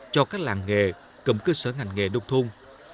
cho các làng nghề cầm cơ sở ngành nghề đông thôn